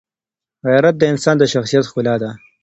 غیرت د انسان د شخصیت ښکلا ده.